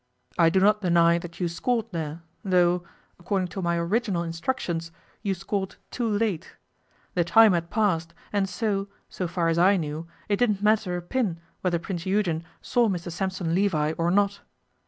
I do not deny that you scored there, though, according to my original instructions, you scored too late. The time had passed, and so, so far as I knew, it didn't matter a pin whether Prince Eugen saw Mr Sampson Levi or not.